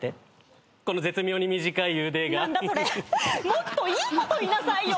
もっといいこと言いなさいよ！